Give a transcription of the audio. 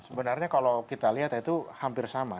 sebenarnya kalau kita lihat itu hampir sama